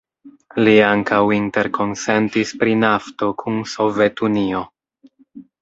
Li ankaŭ interkonsentis pri nafto kun Sovetunio.